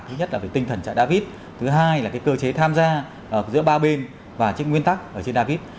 thứ nhất là về tinh thần trại david thứ hai là cơ chế tham gia giữa ba bên và trên nguyên tắc ở trên david